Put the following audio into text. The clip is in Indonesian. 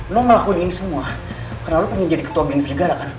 lo ngelakuin ini semua karena lo pengen jadi ketua bengs negara kan